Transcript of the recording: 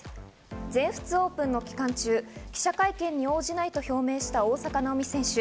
全仏オープンの期間中、記者会見に応じないと表明した大坂なおみ選手。